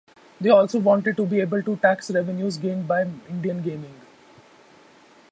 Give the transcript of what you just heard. They also wanted to be able to tax revenues gained by Indian gaming.